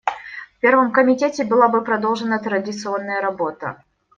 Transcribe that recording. В Первом комитете была бы продолжена традиционная работа.